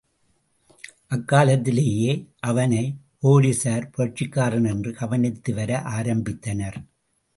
அக்காலத்திலேயே அவனைப் போலிஸார் புரட்சிக்காரன் என்று கவனித்து வர ஆரம்பித்தனர்.